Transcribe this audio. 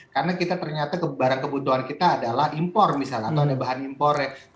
karena kita ternyata barang kebutuhan kita adalah impor misalnya atau ada bahan impor ya